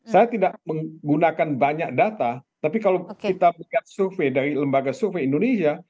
saya tidak menggunakan banyak data tapi kalau kita melihat survei dari lembaga survei indonesia